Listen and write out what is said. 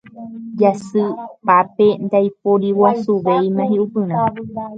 Jasypápe ndaiporiguasuvéima hi'upyrã.